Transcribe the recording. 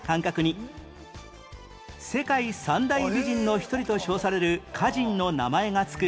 世界三大美人の一人と称される歌人の名前が付く